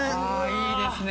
いいですね。